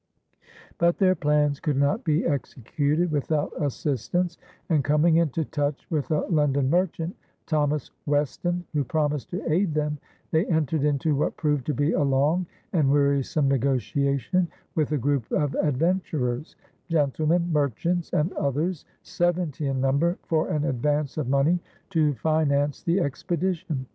But their plans could not be executed without assistance; and, coming into touch with a London merchant, Thomas Weston, who promised to aid them, they entered into what proved to be a long and wearisome negotiation with a group of adventurers gentlemen, merchants, and others, seventy in number for an advance of money to finance the expedition.